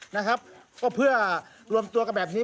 นะครับก็เพื่อรวมตัวกันแบบนี้